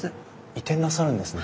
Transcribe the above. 移転なさるんですね。